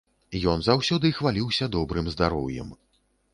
Ён заўсёды хваліўся добрым здароўем.